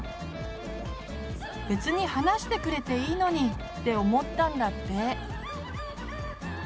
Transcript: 別に話してくれていいのにって思ったんだって。